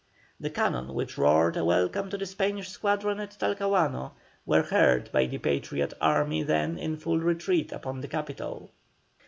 The cannon which roared a welcome to the Spanish squadron at Talcahuano, were heard by the Patriot army then in full retreat upon the capital.